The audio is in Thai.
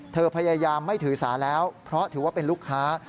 เธอพยายามไม่ถือสาแล้วเพราะถือว่าเป็นลูกค้า